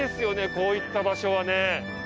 こういった場所はね。